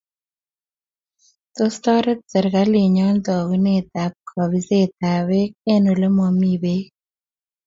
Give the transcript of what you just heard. Tos taret serikalinyo taunet ab kabiset ab peek eng' ole ole mami peek